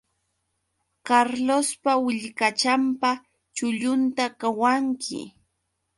Carlospa willkachanpa chullunta qawanki